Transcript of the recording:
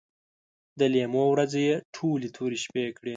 د لیمو ورځې یې ټولې تورې شپې کړې